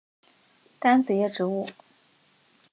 单子叶植物。